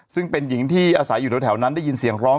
ซึ่งเป็นหญิงที่อาศัยอยู่แถวนั้นได้ยินเสียงร้อง